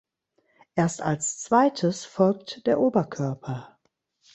Erst als Zweites folgt der Oberkörper.